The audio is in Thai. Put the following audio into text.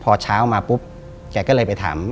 พอเช้ามาปุ๊บแกก็เลยไปถาม